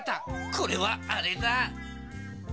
これはあれだ！